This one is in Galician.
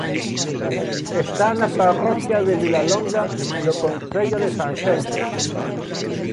Está na parroquia de Vilalonga do concello de Sanxenxo.